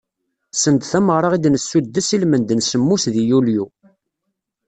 Send tameɣra i d-nessuddes i lmend n semmus di yulyu.